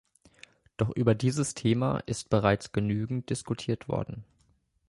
Doch über dieses Thema ist bereits genügend diskutiert worden.